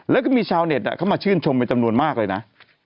แล้วก็มีชาวเน็ตเข้ามาชื่นชมเป็นจำนวนมากเลยนะ